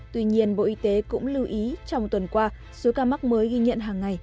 tuy nhiên bộ y tế cũng lưu ý trong tuần qua số ca mắc mới ghi nhận hàng ngày